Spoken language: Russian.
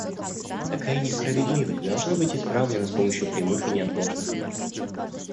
Такая несправедливость должна быть исправлена с помощью прямых и неотложных мер.